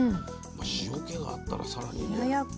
塩気があったらさらにね。